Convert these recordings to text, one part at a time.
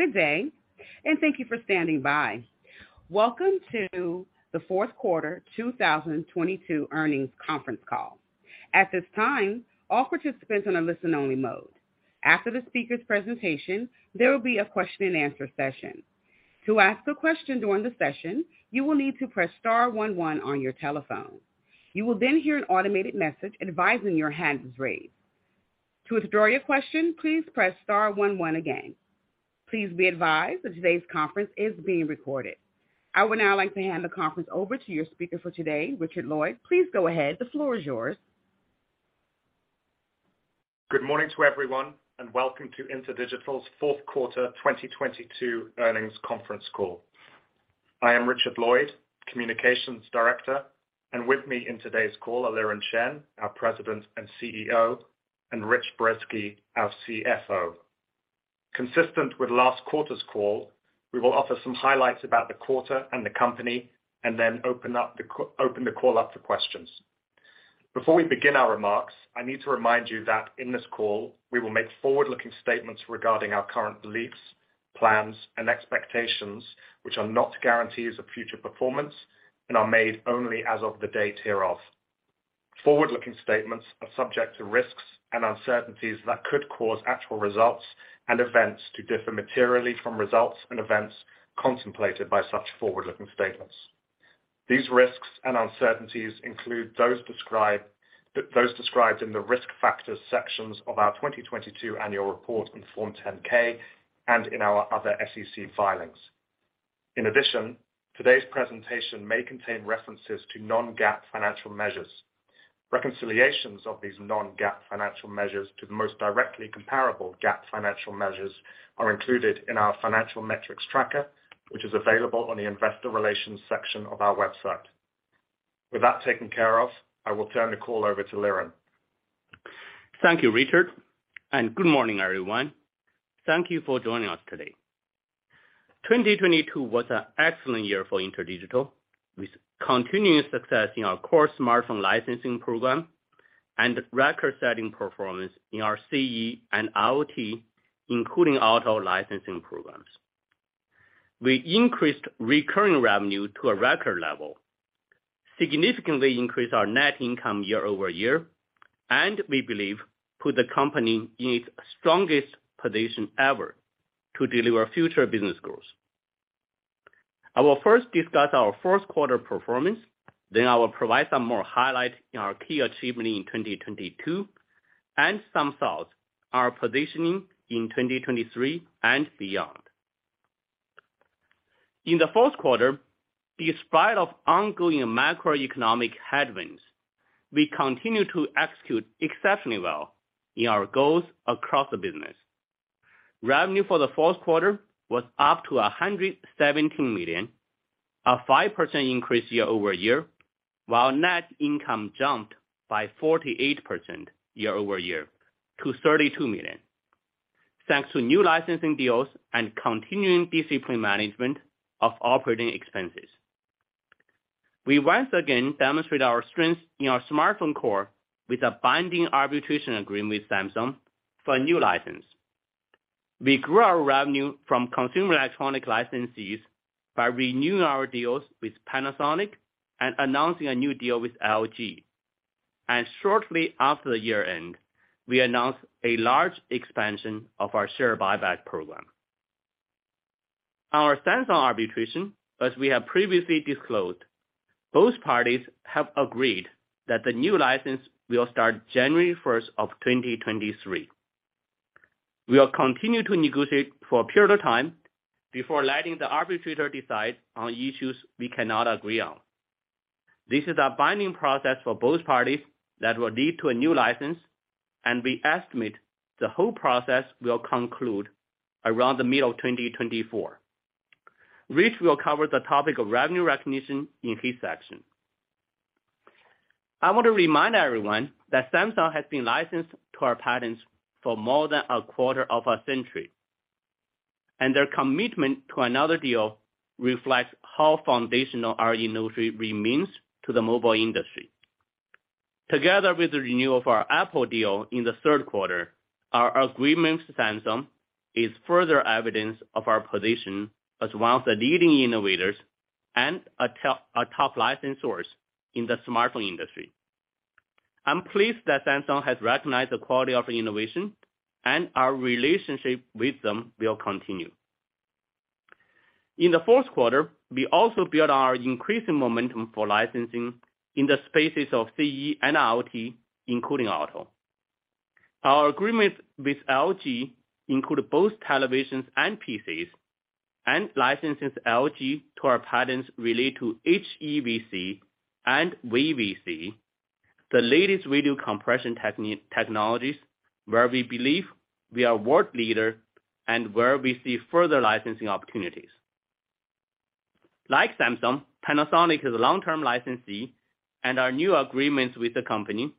Good day, thank you for standing by. Welcome to the fourth quarter 2022 earnings conference call. At this time, all participants are in listen only mode. After the speaker's presentation, there will be a question and answer session. To ask a question during the session, you will need to press star one one on your telephone. You will hear an automated message advising your hand is raised. To withdraw your question, please press star one one again. Please be advised that today's conference is being recorded. I would now like to hand the conference over to your speaker for today, Richard Lloyd. Please go ahead. The floor is yours. Good morning to everyone, and welcome to InterDigital's fourth quarter 2022 earnings conference call. I am Richard Lloyd, Communications Director, and with me in today's call are Liren Chen, our President and CEO, and Rich Brezski, our CFO. Consistent with last quarter's call, we will offer some highlights about the quarter and the company and then open the call up for questions. Before we begin our remarks, I need to remind you that in this call we will make forward-looking statements regarding our current beliefs, plans, and expectations, which are not guarantees of future performance and are made only as of the date hereof. Forward-looking statements are subject to risks and uncertainties that could cause actual results and events to differ materially from results and events contemplated by such forward-looking statements. These risks and uncertainties include those described in the Risk Factors sections of our 2022 annual report and Form 10-K and in our other SEC filings. In addition, today's presentation may contain references to non-GAAP financial measures. Reconciliations of these non-GAAP financial measures to the most directly comparable GAAP financial measures are included in our financial metrics tracker, which is available on the investor relations section of our website. With that taken care of, I will turn the call over to Liren. Thank you, Richard. Good morning, everyone. Thank you for joining us today. 2022 was an excellent year for InterDigital, with continuous success in our core smartphone licensing program and record-setting performance in our CE and IoT, including auto licensing programs. We increased recurring revenue to a record level, significantly increased our net income year-over-year, and we believe put the company in its strongest position ever to deliver future business growth. I will first discuss our first quarter performance, then I will provide some more highlight in our key achievement in 2022, and some thoughts, our positioning in 2023 and beyond. In the fourth quarter, in spite of ongoing macroeconomic headwinds, we continued to execute exceptionally well in our goals across the business. Revenue for the fourth quarter was up to $117 million, a 5% increase year-over-year, while net income jumped by 48% year-over-year to $32 million, thanks to new licensing deals and continuing discipline management of operating expenses. We once again demonstrate our strength in our smartphone core with a binding arbitration agreement with Samsung for a new license. We grew our revenue from consumer electronic licensees by renewing our deals with Panasonic and announcing a new deal with LG. Shortly after the year-end, we announced a large expansion of our share buyback program. Our Samsung arbitration, as we have previously disclosed, both parties have agreed that the new license will start January 1st of 2023. We will continue to negotiate for a period of time before letting the arbitrator decide on issues we cannot agree on. This is a binding process for both parties that will lead to a new license. We estimate the whole process will conclude around the middle of 2024. Rich will cover the topic of revenue recognition in his section. I want to remind everyone that Samsung has been licensed to our patents for more than a quarter of a century. Their commitment to another deal reflects how foundational our industry remains to the mobile industry. Together with the renewal of our Apple deal in the third quarter, our agreement with Samsung is further evidence of our position as one of the leading innovators and a top license source in the smartphone industry. I'm pleased that Samsung has recognized the quality of innovation and our relationship with them will continue. In the fourth quarter, we also build our increasing momentum for licensing in the spaces of CE and IoT, including auto. Our agreement with LG include both televisions and PCs and licenses LG to our patents related to HEVC and VVC, the latest video compression technologies, where we believe we are world leader and where we see further licensing opportunities. Like Samsung, Panasonic is a long-term licensee, and our new agreements with the company,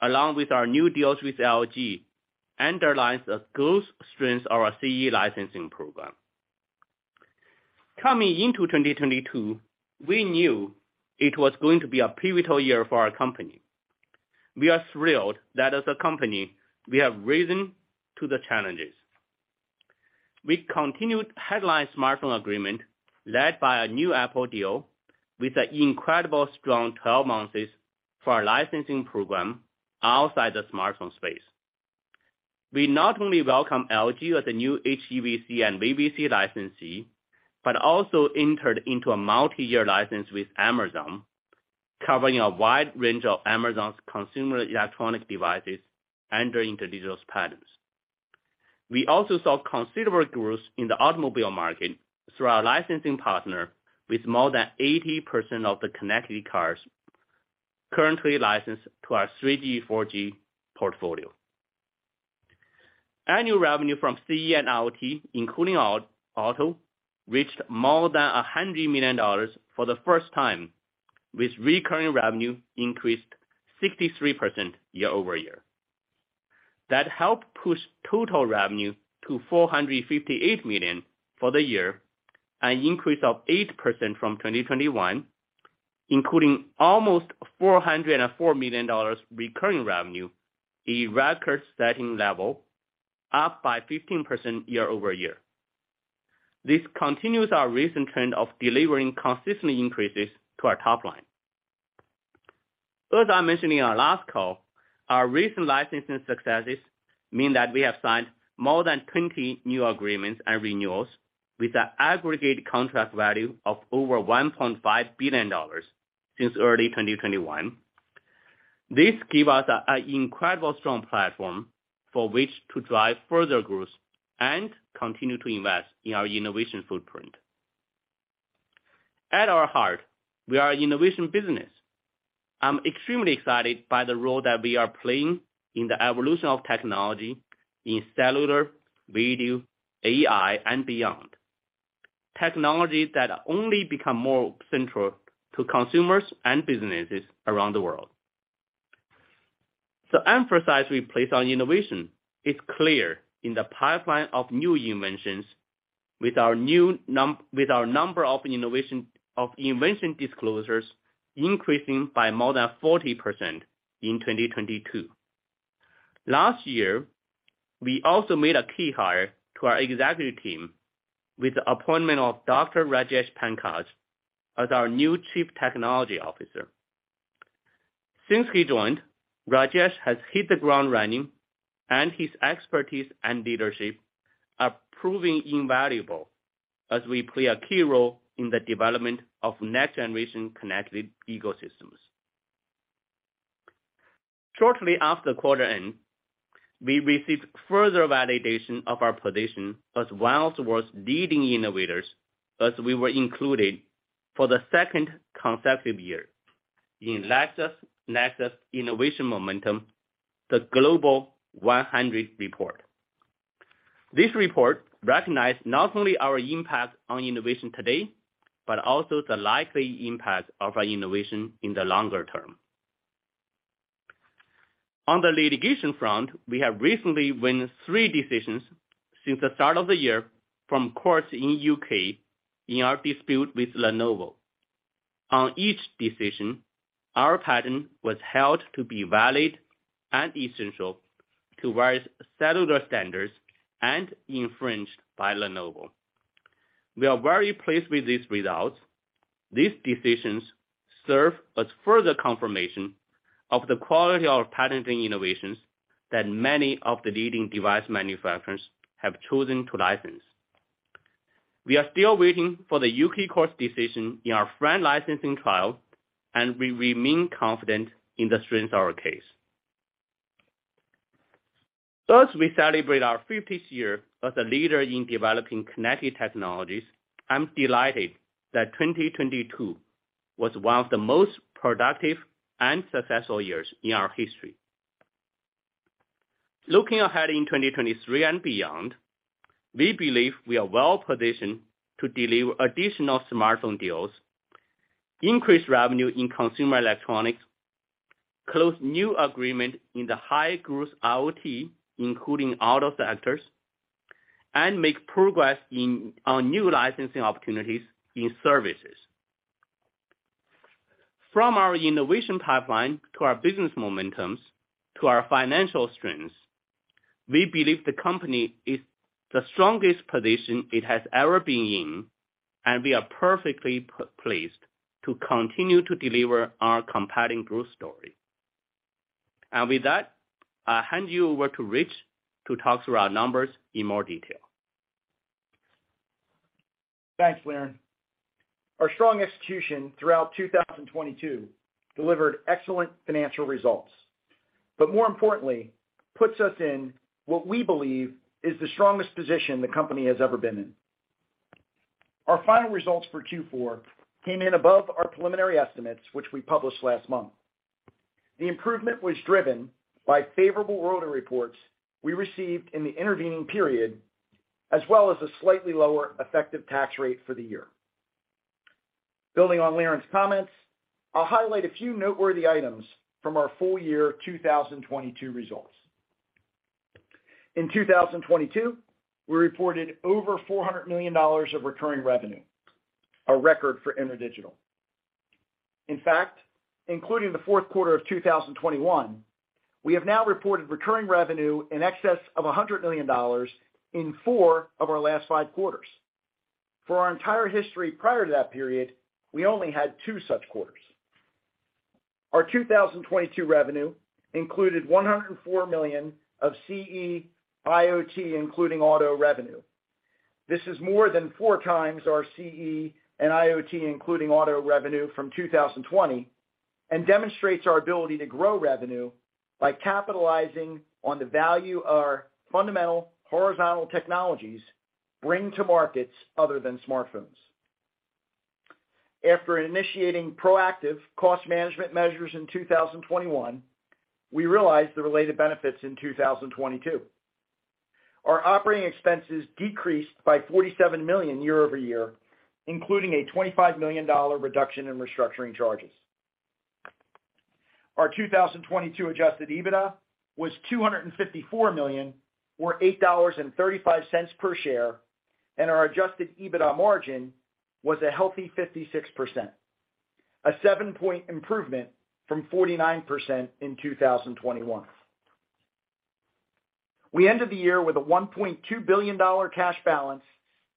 along with our new deals with LG, underlines the growth strengths of our CE licensing program. Coming into 2022, we knew it was going to be a pivotal year for our company. We are thrilled that as a company, we have risen to the challenges. We continued headline smartphone agreement led by a new Apple deal with a incredible strong 12 months for our licensing program outside the smartphone space. We not only welcome LG as a new HEVC and VVC licensee, but also entered into a multi-year license with Amazon, covering a wide range of Amazon's consumer electronic devices under InterDigital's patents. We also saw considerable growth in the automobile market through our licensing partner with more than 80% of the connected cars currently licensed to our 3G, 4G portfolio. Annual revenue from CE and IoT, including auto, reached more than $100 million for the first time, with recurring revenue increased 63% year-over-year. That helped push total revenue to $458 million for the year, an increase of 8% from 2021, including almost $404 million recurring revenue, a record-setting level, up by 15% year-over-year. This continues our recent trend of delivering consistent increases to our top line. As I mentioned in our last call, our recent licensing successes mean that we have signed more than 20 new agreements and renewals with an aggregate contract value of over $1.5 billion since early 2021. This give us a incredible strong platform for which to drive further growth and continue to invest in our innovation footprint. At our heart, we are an innovation business. I'm extremely excited by the role that we are playing in the evolution of technology in cellular, video, AI, and beyond. Technologies that only become more central to consumers and businesses around the world. The emphasis we place on innovation is clear in the pipeline of new inventions with our number of invention disclosures increasing by more than 40% in 2022. Last year, we also made a key hire to our executive team with the appointment of Dr. Rajesh Pankaj as our new Chief Technology Officer. Since he joined, Rajesh has hit the ground running, his expertise and leadership are proving invaluable as we play a key role in the development of next-generation connected ecosystems. Shortly after quarter end, we received further validation of our position as one of the world's leading innovators, as we were included for the second consecutive year in LexisNexis Innovation Momentum, the Global Top 100 Report. This report recognized not only our impact on innovation today, also the likely impact of our innovation in the longer term. On the litigation front, we have recently won three decisions since the start of the year from courts in U.K. in our dispute with Lenovo. On each decision, our patent was held to be valid and essential to various cellular standards and infringed by Lenovo. We are very pleased with these results. These decisions serve as further confirmation of the quality of our patent and innovations that many of the leading device manufacturers have chosen to license. We are still waiting for the U.K. courts decision in our FRAND licensing trial, and we remain confident in the strength of our case. We celebrate our 50th year as a leader in developing connected technologies. I'm delighted that 2022 was one of the most productive and successful years in our history. Looking ahead in 2023 and beyond, we believe we are well-positioned to deliver additional smartphone deals, increase revenue in consumer electronics, close new agreement in the high-growth IoT, including auto sectors, and make progress in our new licensing opportunities in services. From our innovation pipeline to our business momentums, to our financial strengths, we believe the company is the strongest position it has ever been in, we are perfectly placed to continue to deliver our compelling growth story. With that, I'll hand you over to Rich to talk through our numbers in more detail. Thanks, Liren. Our strong execution throughout 2022 delivered excellent financial results, more importantly, puts us in what we believe is the strongest position the company has ever been in. Our final results for Q4 came in above our preliminary estimates, which we published last month. The improvement was driven by favorable rotary reports we received in the intervening period, as well as a slightly lower effective tax rate for the year. Building on Liren's comments, I'll highlight a few noteworthy items from our full year 2022 results. In 2022, we reported over $400 million of recurring revenue, a record for InterDigital. In fact, including the fourth quarter of 2021, we have now reported recurring revenue in excess of $100 million in four of our last five quarters. For our entire history prior to that period, we only had two such quarters. Our 2022 revenue included $104 million of CE, IoT, including auto revenue. This is more than 4x our CE and IoT, including auto revenue from 2020, and demonstrates our ability to grow revenue by capitalizing on the value our fundamental horizontal technologies bring to markets other than smartphones. After initiating proactive cost management measures in 2021, we realized the related benefits in 2022. Our operating expenses decreased by $47 million year-over-year, including a $25 million reduction in restructuring charges. Our 2022 adjusted EBITDA was $254 million, or $8.35 per share, and our adjusted EBITDA margin was a healthy 56%, a 7-point improvement from 49% in 2021. We ended the year with a $1.2 billion cash balance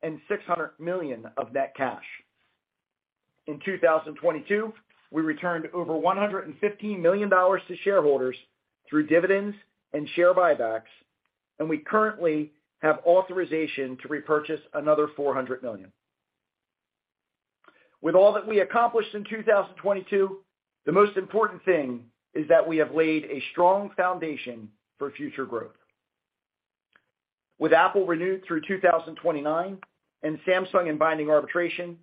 and $600 million of that cash. In 2022, we returned over $150 million to shareholders through dividends and share buybacks. We currently have authorization to repurchase another $400 million. With all that we accomplished in 2022, the most important thing is that we have laid a strong foundation for future growth. With Apple renewed through 2029 and Samsung in binding arbitration,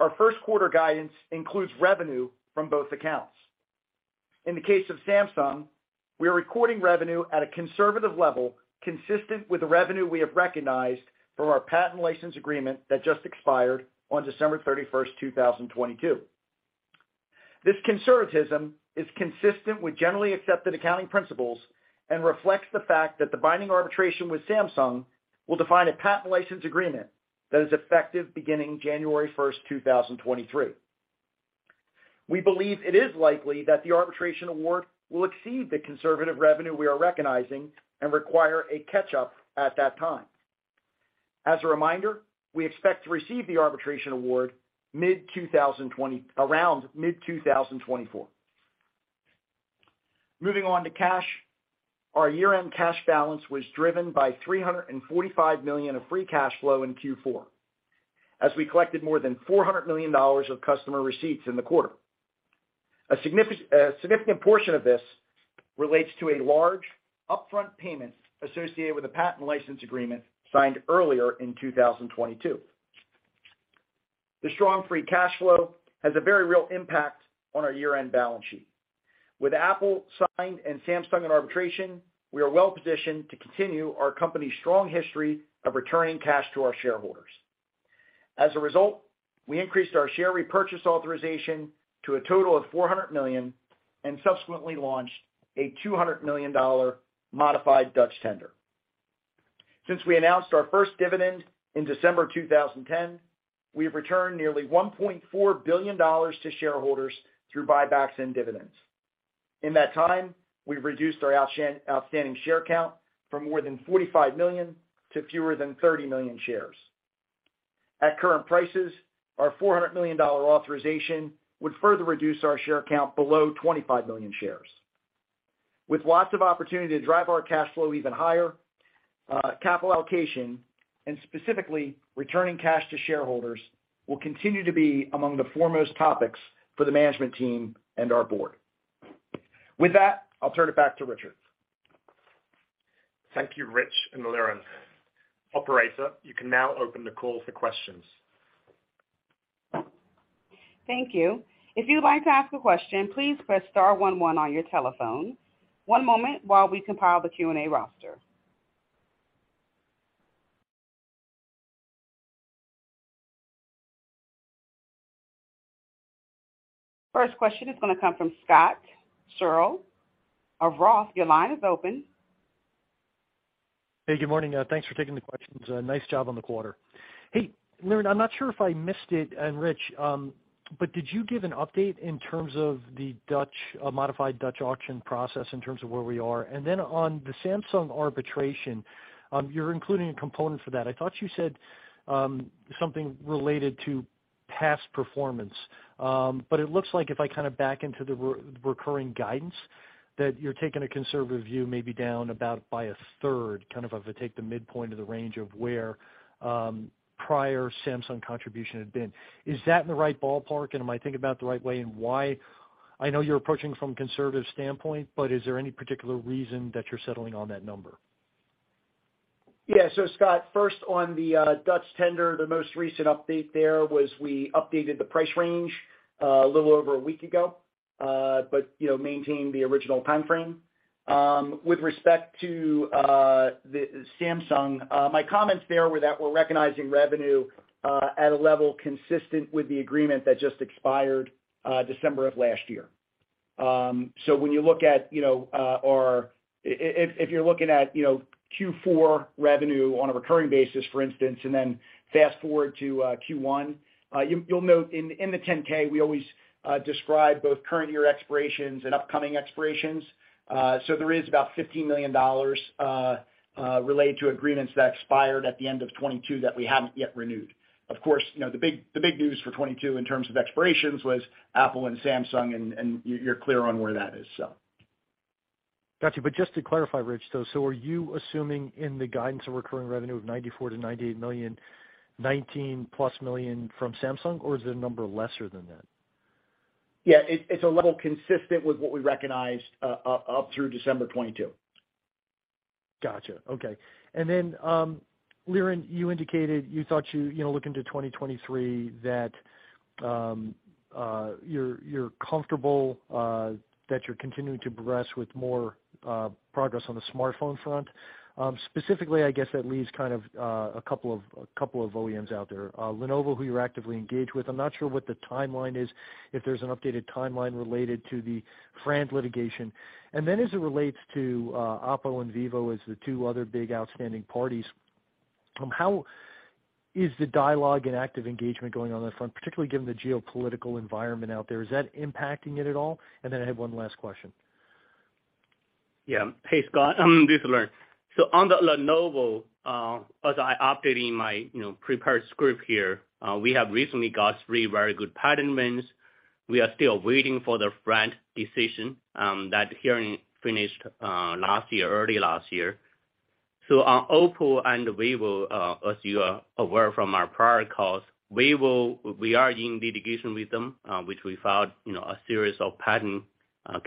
our first quarter guidance includes revenue from both accounts. In the case of Samsung, we are recording revenue at a conservative level consistent with the revenue we have recognized from our patent license agreement that just expired on December 31st, 2022. This conservatism is consistent with generally accepted accounting principles and reflects the fact that the binding arbitration with Samsung will define a patent license agreement that is effective beginning January 1st, 2023. We believe it is likely that the arbitration award will exceed the conservative revenue we are recognizing and require a catch-up at that time. As a reminder, we expect to receive the arbitration award around mid-2024. Moving on to cash. Our year-end cash balance was driven by $345 million of free cash flow in Q4 as we collected more than $400 million of customer receipts in the quarter. A significant portion of this relates to a large upfront payment associated with a patent license agreement signed earlier in 2022. The strong free cash flow has a very real impact on our year-end balance sheet. With Apple signed and Samsung in arbitration, we are well positioned to continue our company's strong history of returning cash to our shareholders. As a result, we increased our share repurchase authorization to a total of $400 million and subsequently launched a $200 million modified Dutch tender. Since we announced our first dividend in December 2010, we have returned nearly $1.4 billion to shareholders through buybacks and dividends. In that time, we've reduced our outstanding share count from more than 45 million to fewer than 30 million shares. At current prices, our $400 million authorization would further reduce our share count below 25 million shares. With lots of opportunity to drive our cash flow even higher, capital allocation and specifically returning cash to shareholders will continue to be among the foremost topics for the management team and our board. With that, I'll turn it back to Richard. Thank you, Rich and Liren. Operator, you can now open the call for questions. Thank you. If you'd like to ask a question, please press star one one on your telephone. One moment while we compile the Q&A roster. First question is gonna come from Scott Searle of ROTH. Your line is open. Good morning. Thanks for taking the questions. Nice job on the quarter. Liren, I'm not sure if I missed it, and Rich, did you give an update in terms of the Dutch modified Dutch auction process in terms of where we are? On the Samsung arbitration, you're including a component for that. I thought you said something related to past performance. It looks like if I kinda back into the re-recurring guidance that you're taking a conservative view maybe down about by a third, kind of if I take the midpoint of the range of where prior Samsung contribution had been. Is that in the right ballpark and am I thinking about it the right way and why? I know you're approaching from a conservative standpoint, but is there any particular reason that you're settling on that number? Yeah. Scott Searle, first on the Dutch tender, the most recent update there was we updated the price range a little over a week ago, but, you know, maintained the original timeframe. With respect to the Samsung, my comments there were that we're recognizing revenue at a level consistent with the agreement that just expired December of last year. When you look at, you know, if you're looking at, you know, Q4 revenue on a recurring basis, for instance, and then fast-forward to Q1, you'll note in the Form 10-K, we always describe both current year expirations and upcoming expirations. There is about $15 million related to agreements that expired at the end of 2022 that we haven't yet renewed. Of course, you know, the big news for 2022 in terms of expirations was Apple and Samsung, and you're clear on where that is so. Got you. Just to clarify, Rich, though, are you assuming in the guidance of recurring revenue of $94 million-$98 million, $19+ million from Samsung, or is the number lesser than that? Yeah. It's a level consistent with what we recognized up through December 2022. Gotcha. Okay. Liren, you indicated you thought you know, look into 2023, that, you're comfortable, that you're continuing to progress with more progress on the smartphone front. Specifically, I guess that leaves kind of, a couple of OEMs out there. Lenovo, who you're actively engaged with. I'm not sure what the timeline is, if there's an updated timeline related to the FRAND litigation. As it relates to OPPO and vivo as the two other big outstanding parties, how is the dialogue and active engagement going on that front, particularly given the geopolitical environment out there? Is that impacting it at all? I have one last question. Yeah. Hey, Scott, this is Liren. On the Lenovo, as I updated in my, you know, prepared script here, we have recently got three very good patent wins. We are still waiting for the FRAND decision, that hearing finished last year, early last year. On OPPO and vivo, as you are aware from our prior calls, vivo, we are in litigation with them, which we filed, you know, a series of patent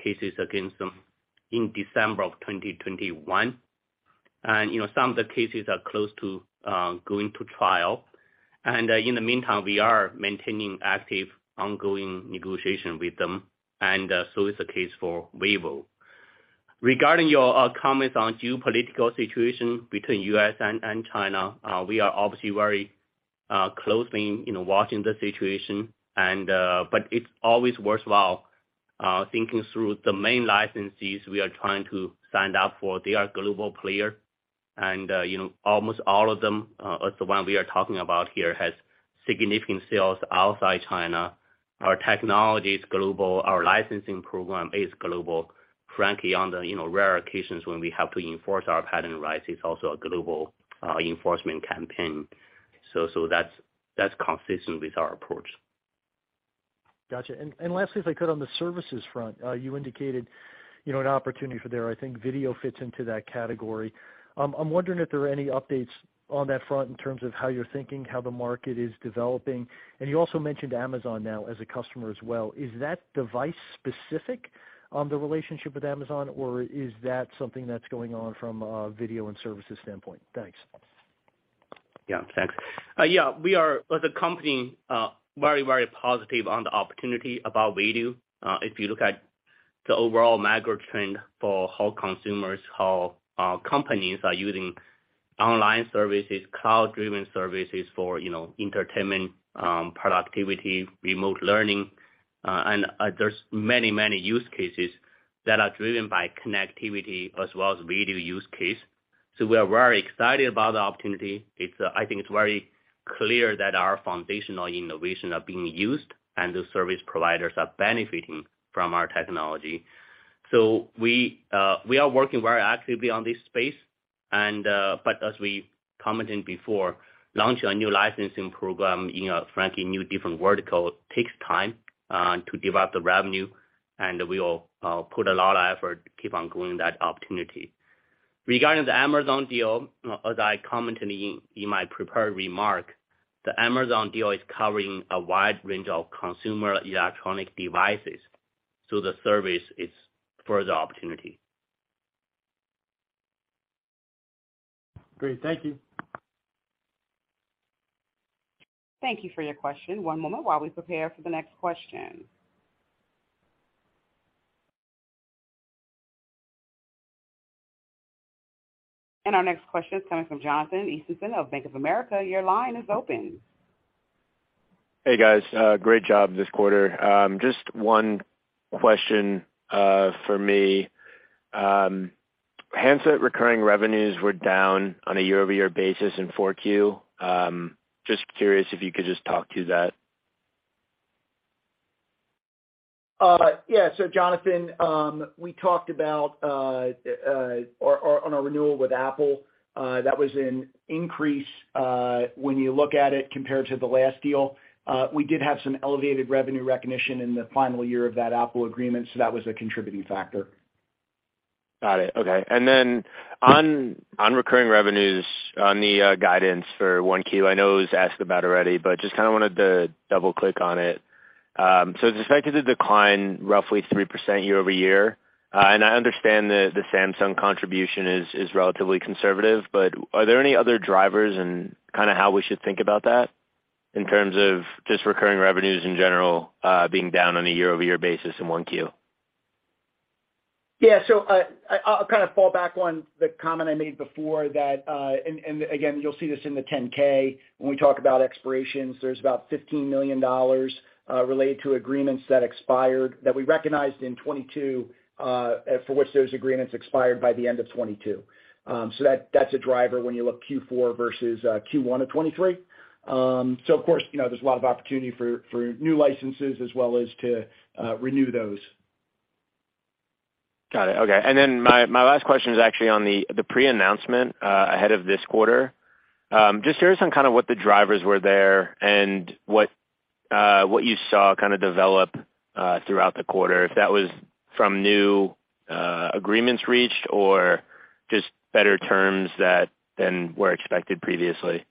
cases against them in December of 2021. You know, some of the cases are close to going to trial. In the meantime, we are maintaining active, ongoing negotiation with them, and so is the case for vivo. Regarding your comments on geopolitical situation between U.S. and China, we are obviously very closely, you know, watching the situation, but it's always worthwhile thinking through the main licensees we are trying to sign up for. They are global player, and, you know, almost all of them, as the one we are talking about here, has significant sales outside China. Our technology is global. Our licensing program is global. Frankly, on the, you know, rare occasions when we have to enforce our patent rights, it's also a global enforcement campaign. That's consistent with our approach. Gotcha. Lastly, if I could, on the services front, you indicated, you know, an opportunity for there. I think video fits into that category. I'm wondering if there are any updates on that front in terms of how you're thinking, how the market is developing. You also mentioned Amazon now as a customer as well. Is that device specific, the relationship with Amazon, or is that something that's going on from a video and services standpoint? Thanks. Thanks. Yeah, we are, as a company, very, very positive on the opportunity about video. If you look at the overall macro trend for how consumers, how companies are using online services, cloud-driven services for, you know, entertainment, productivity, remote learning, and there's many, many use cases that are driven by connectivity as well as video use case. We are very excited about the opportunity. It's, I think it's very clear that our foundational innovation are being used and the service providers are benefiting from our technology. We are working very actively on this space and, as we commented before, launching a new licensing program in a frankly new different vertical takes time to develop the revenue, and we will put a lot of effort to keep on growing that opportunity. Regarding the Amazon deal, as I commented in my prepared remark, the Amazon deal is covering a wide range of consumer electronic devices, so the service is further opportunity. Great. Thank you. Thank you for your question. One moment while we prepare for the next question. Our next question is coming from Jonathan Eisenson of Bank of America. Your line is open. Hey, guys. Great job this quarter. Just one question for me. Handset recurring revenues were down on a year-over-year basis in 4Q. Just curious if you could just talk to that. Yeah. Jonathan, we talked about on our renewal with Apple, that was an increase when you look at it compared to the last deal. We did have some elevated revenue recognition in the final year of that Apple agreement, so that was a contributing factor. Got it. Okay. On recurring revenues on the guidance for 1Q, I know it was asked about already, but just wanted to double-click on it. It's expected to decline roughly 3% year-over-year. I understand the Samsung contribution is relatively conservative, but are there any other drivers in how we should think about that in terms of just recurring revenues in general, being down on a year-over-year basis in 1Q? Yeah. I'll kind of fall back on the comment I made before that, and again, you'll see this in the Form 10-K when we talk about expirations, there's about $15 million related to agreements that expired, that we recognized in 2022, for which those agreements expired by the end of 2022. That, that's a driver when you look Q4 versus Q1 of 2023. Of course, you know, there's a lot of opportunity for new licenses as well as to renew those. Got it. Okay. My, my last question is actually on the pre-announcement ahead of this quarter, just curious on kind of what the drivers were there and what you saw kind of develop throughout the quarter, if that was from new agreements reached or just better terms than were expected previously.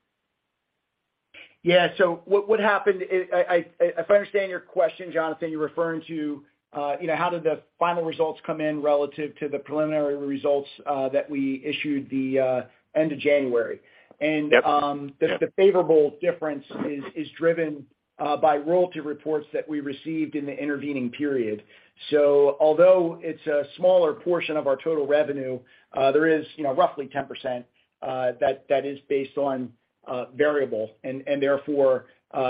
what happened is if I understand your question, Jonathan, you're referring to, you know, how did the final results come in relative to the preliminary results that we issued the end of January? Yep. The favorable difference is driven by royalty reports that we received in the intervening period. Although it's a smaller portion of our total revenue, there is, you know, roughly 10% that is based on variable and, therefore,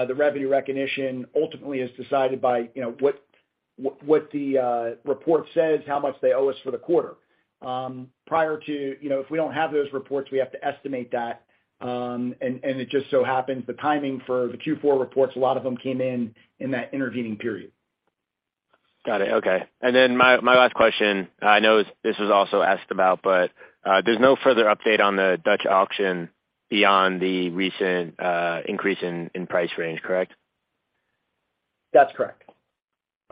the revenue recognition ultimately is decided by, you know, what the report says, how much they owe us for the quarter. Prior to, you know, if we don't have those reports, we have to estimate that, and it just so happens the timing for the Q4 reports, a lot of them came in in that intervening period. Got it. Okay. My, my last question, I know this was also asked about, but there's no further update on the Dutch auction beyond the recent increase in price range, correct? That's correct.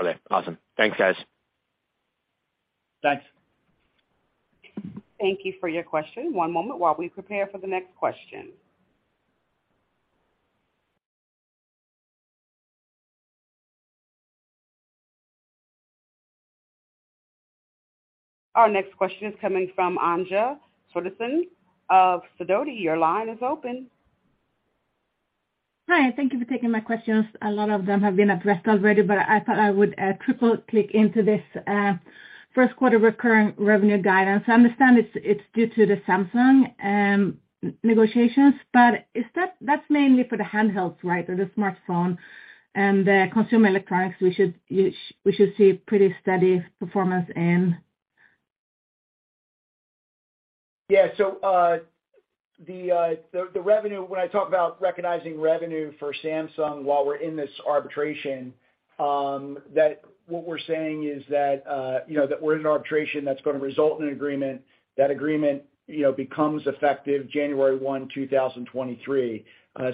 Okay, awesome. Thanks, guys. Thanks. Thank you for your question. One moment while we prepare for the next question. Our next question is coming from Anja Soderstrom of Sidoti. Your line is open. Hi, thank you for taking my questions. A lot of them have been addressed already, but I thought I would triple-click into this first quarter recurring revenue guidance. I understand it's due to the Samsung negotiations, but that's mainly for the handhelds, right, or the smartphone and the consumer electronics we should see pretty steady performance in? The revenue, when I talk about recognizing revenue for Samsung while we're in this arbitration, that what we're saying is that, you know, that we're in an arbitration that's gonna result in an agreement. That agreement, you know, becomes effective January 1, 2023.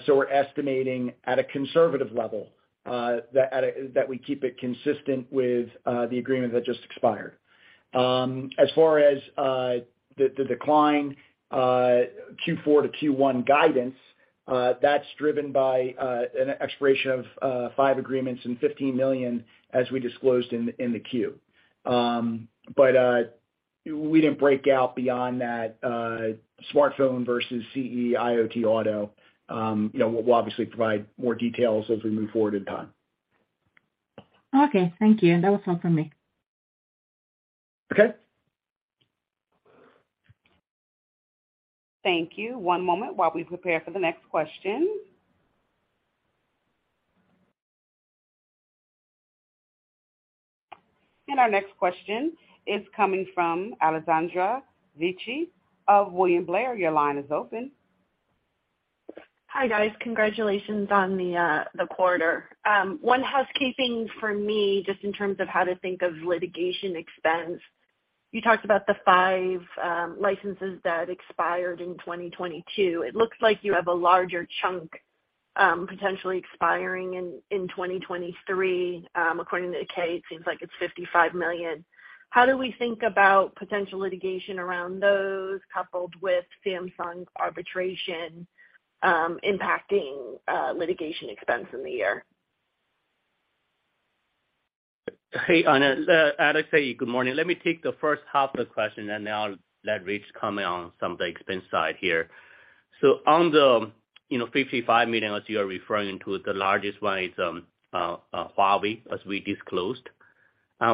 We're estimating at a conservative level, that we keep it consistent with the agreement that just expired. As far as the decline, Q4 to Q1 guidance, that's driven by an expiration of five agreements and $15 million as we disclosed in the Q. We didn't break out beyond that, smartphone versus CE, IoT, auto. You know, we'll obviously provide more details as we move forward in time. Okay, thank you. That was all for me. Okay. Thank you. One moment while we prepare for the next question. Our next question is coming from Alessandra Vecchi of William Blair. Your line is open. Hi, guys. Congratulations on the quarter. One housekeeping for me, just in terms of how to think of litigation expense. You talked about the five licenses that expired in 2022. It looks like you have a larger chunk potentially expiring in 2023. According to the K, it seems like it's $55 million. How do we think about potential litigation around those coupled with Samsung's arbitration impacting litigation expense in the year? Hey, Alessandra, good morning. Let me take the first half of the question, then I'll let Rich comment on some of the expense side here. On the, you know, $55 million, as you are referring to, the largest one is Huawei, as we disclosed.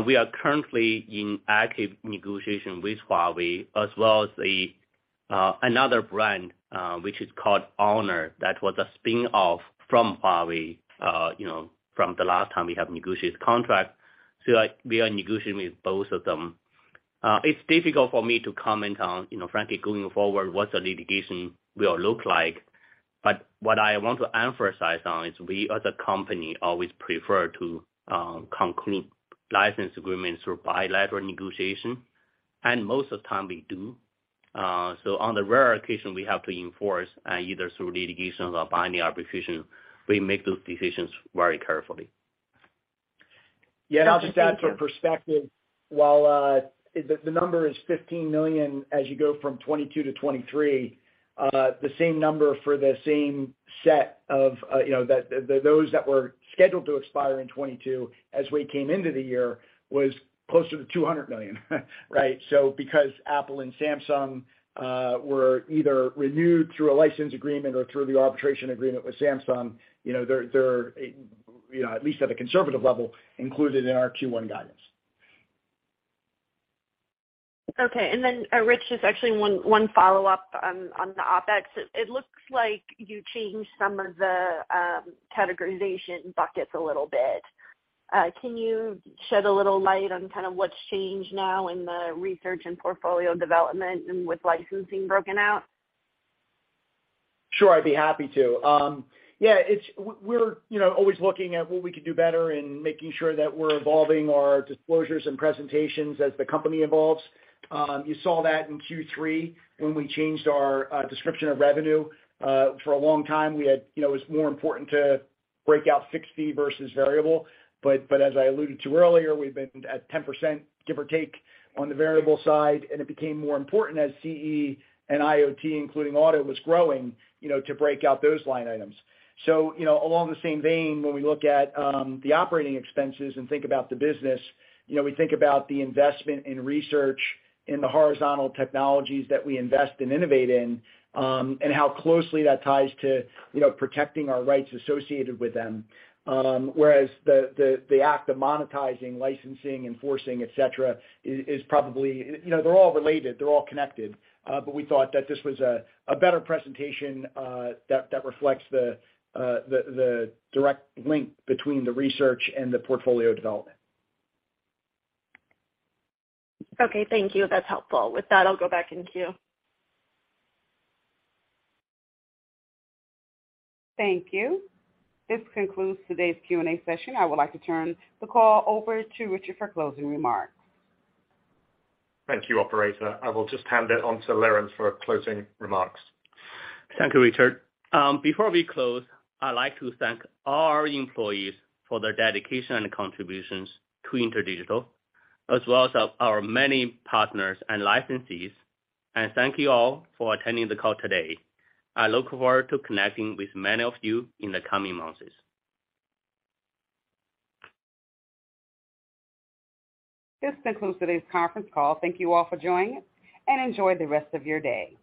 We are currently in active negotiation with Huawei as well as another brand, which is called Honor. That was a spin-off from Huawei, you know, from the last time we have negotiated contract. We are negotiating with both of them. It's difficult for me to comment on, you know, frankly, going forward, what the litigation will look like. What I want to emphasize on is we as a company always prefer to conclude license agreements through bilateral negotiation. Most of the time we do. On the rare occasion we have to enforce, either through litigations or binding arbitration, we make those decisions very carefully. Got you. Thank you. I'll just add for perspective, while the number is $15 million as you go from 2022 to 2023, the same number for the same set of, you know, those that were scheduled to expire in 2022 as we came into the year was closer to $200 million. Right? Because Apple and Samsung were either renewed through a license agreement or through the arbitration agreement with Samsung, you know, at least at a conservative level, included in our Q1 guidance. Okay. Then, Rich, just actually one follow-up on the OpEx. It looks like you changed some of the categorization buckets a little bit. Can you shed a little light on kind of what's changed now in the research and portfolio development and with licensing broken out? Sure, I'd be happy to. We're, you know, always looking at what we could do better and making sure that we're evolving our disclosures and presentations as the company evolves. You saw that in Q3 when we changed our, description of revenue. For a long time we had, you know, it was more important to break out 60 versus variable, but as I alluded to earlier, we've been at 10% give or take on the variable side, and it became more important as CE and IoT, including auto, was growing, you know, to break out those line items. You know, along the same vein, when we look at, the operating expenses and think about the business, you know, we think about the investment in research in the horizontal technologies that we invest and innovate in, and how closely that ties to, you know, protecting our rights associated with them. Whereas the act of monetizing, licensing, enforcing, et cetera, is probably. You know, they're all related, they're all connected. We thought that this was a better presentation, that reflects the direct link between the research and the portfolio development. Okay, thank you. That's helpful. With that, I'll go back in queue. Thank you. This concludes today's Q&A session. I would like to turn the call over to Richard for closing remarks. Thank you, operator. I will just hand it on to Liren for closing remarks. Thank you, Richard. before we close, I'd like to thank all our employees for their dedication and contributions to InterDigital, as well as our many partners and licensees. Thank you all for attending the call today. I look forward to connecting with many of you in the coming months. This concludes today's conference call. Thank you all for joining, and enjoy the rest of your day.